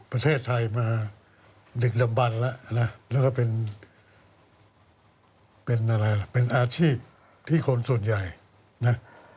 ประเทศไทยมาดึกดำบันแล้วนะแล้วก็เป็นอะไรล่ะเป็นอาชีพที่คนส่วนใหญ่นะ